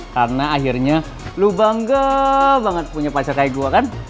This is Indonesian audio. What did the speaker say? karena akhirnya lo bangga banget punya pacar kayak gue kan